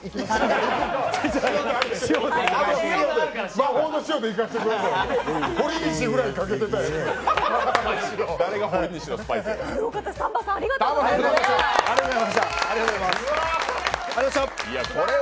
魔法の塩でいかせてくれ。